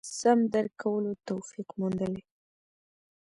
سم درک کولو توفیق موندلي.